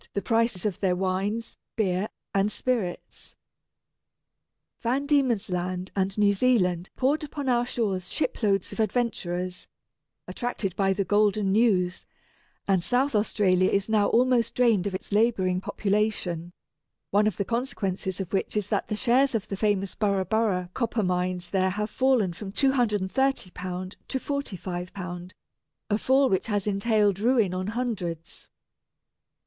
the prices of their wines, beer, and spirits. Van Diemen's Land and New Zealand poured upon our shores shiploads of adventurers, attracted by the golden news; and South Australia is now almost drained of its labouring population, one of the consequences of which is that the shares in the famous Burra Burra copper mines there have fallen from £230 to £45, a fall which has entailed ruin on hundreds.